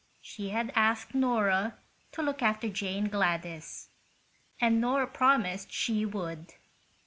She had asked Nora to look after Jane Gladys, and Nora promised she would.